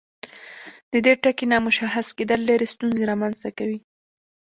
د دې ټکي نامشخص کیدل ډیرې ستونزې رامنځته کوي.